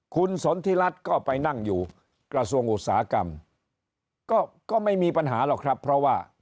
คุณสนทิรัฐก็ไปนั่งอยู่กระทรวงอุตสาหกรรมก็ไม่มีปัญหาหรอกครับเพราะว่า